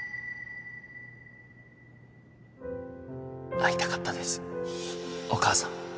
会いたかったですお母さん